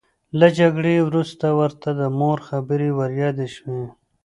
له جګړې وروسته ورته د مور خبرې وریادې شوې